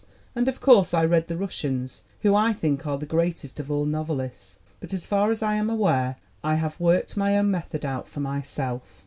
And of course I read the Russians, who, I think, are the greatest of all novelists. But as far as I am aware, I have worked my own method out for myself.